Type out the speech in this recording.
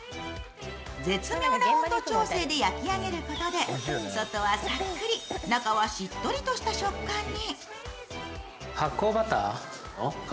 絶妙な温度調整で焼き上げることで外はさっくり、中はしっとりとした食感に。